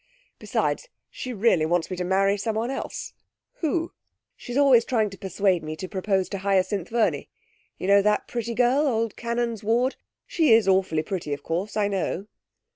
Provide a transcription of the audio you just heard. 'Besides, she really wants me to marry someone else.' 'Who?' 'She's always trying to persuade me to propose to Hyacinth Verney ... you know, that pretty girl, old Cannon's ward.... She is awfully pretty, of course, I know.'